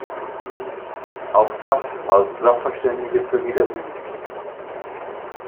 Auch das halten Sachverständige für widersinnig.